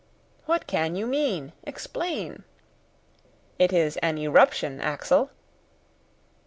"What can you mean? Explain?" "It is an eruption, Axel."